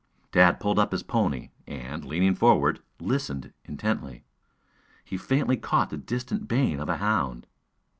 Tad pulled up his pony, and, leaning forward, listened intently. He faintly caught the distant baying of a hound.